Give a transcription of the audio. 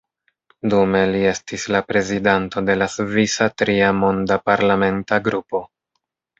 Dume li estis la prezidanto de la “svisa-Tria Monda” parlamenta grupo.